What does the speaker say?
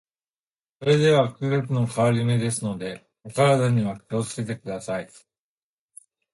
それでは、季節の変わり目ですので、お体にはお気を付けください。